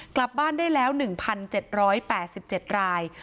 กลับบ้านได้แล้ว๑๗๘๗ราย